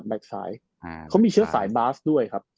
แบคไซพลังชอบ